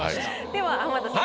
では浜田さん